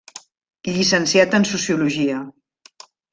Llicenciat en sociologia.